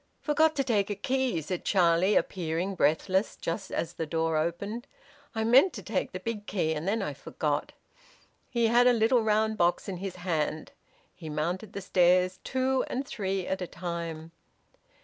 "Forgot to take a key," said Charlie, appearing, breathless, just as the door opened. "I meant to take the big key, and then I forgot." He had a little round box in his hand. He mounted the stairs two and three at a time.